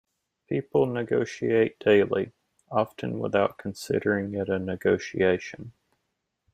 People negotiate daily, often without considering it a negotiation.